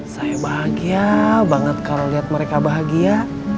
saya bahagia banget karena lihat mereka bahagia